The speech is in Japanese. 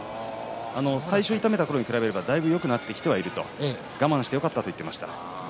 最初、痛めたころに比べればだいぶよくなってきている我慢してよかったと言っていました。